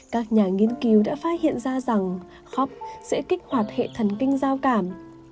các nhà nghiên cứu đã phát hiện ra rằng cop sẽ kích hoạt hệ thần kinh giao cảm